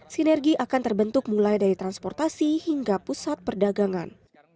sinergi akan terbentuk mulai dari transportasi hingga pusat perdagangan